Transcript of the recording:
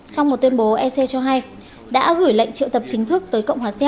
trong một tuyên bố ec cho hay đã gửi lệnh triệu tập chính thức tới cộng hòa xé